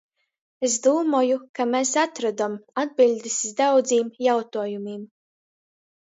Es dūmoju, ka mes atrodom atbiļdis iz daudzim jautuojumim.